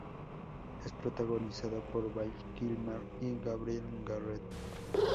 Es protagonizada por Val Kilmer y Gabriel Jarret.